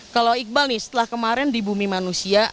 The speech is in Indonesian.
kalau iqbal nih setelah kemarin di bumi manusia